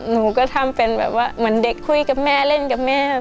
หนูก็ทำเป็นแบบว่าเหมือนเด็กคุยกับแม่เล่นกับแม่